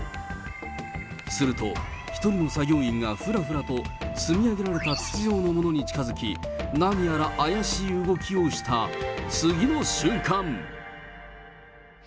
すると、１人の作業員がふらふらと積み上げられた筒状のものに近づき、何やら怪しい動きをした次の瞬間。